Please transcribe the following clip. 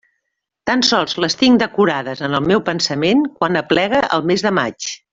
Tan sols les tinc decorades en el meu pensament quan aplega el mes de maig.